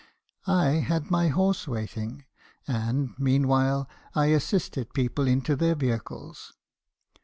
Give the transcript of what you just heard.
1 had my horse waiting ; and, meanwhile, I assisted people into their vehicles.